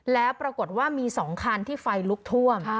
แล้วปรากฏว่ามี๒คันที่ไฟลุกท่วม